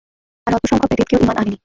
আর অল্প সংখ্যক ব্যতীত কেউ ঈমান আনেনি।